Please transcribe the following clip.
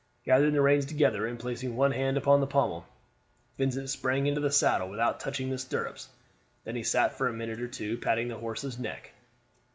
Gathering the reins together, and placing one hand upon the pommel, Vincent sprang into the saddle without touching the stirrups; then he sat for a minute or two patting the horse's neck.